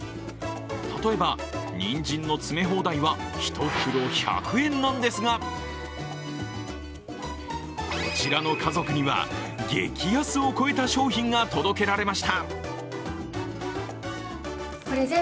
例えば、にんじんの詰め放題は１袋１００円なんですが、こちらの家族には、激安を超えた商品が届けられました。